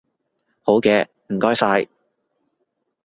好嘅，唔該晒